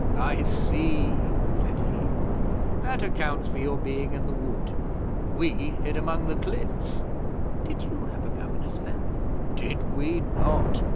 'I see,' said he. 'That accounts for your being in the wood. We hid among the cliffs.' 'Did you have a governess, then?' 'Did we not?